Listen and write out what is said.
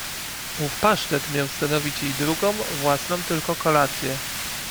Ów pasztet miał stanowić jej drugą — własną tylko kolację!